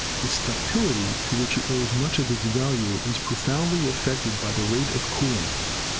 Its ductility, to which it owes much of its value, is pro foundly affected by the rate of cooling.